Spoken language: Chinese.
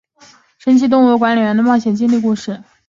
神奇动物管理员的冒险经历故事。